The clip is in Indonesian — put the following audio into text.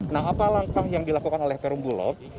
nah apa langkah yang dilakukan oleh perumbulok